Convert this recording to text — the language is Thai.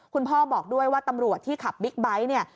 คุณพ่อบอกด้วยว่าตำรวจที่ขับบิ๊กไบท์เนี่ย